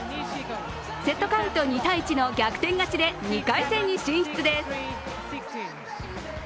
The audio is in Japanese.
セットカウント２−１の逆転勝ちで２回戦に進出です。